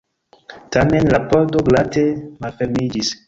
Tamen la pordo glate malfermiĝis.